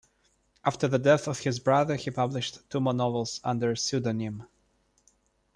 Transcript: After the death of his brother, he published two more novels under a pseudonym.